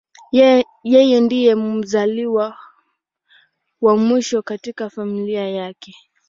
Yeye ndiye mzaliwa wa mwisho katika familia yake.